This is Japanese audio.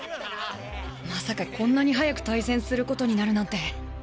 まさかこんなに早く対戦することになるなんて。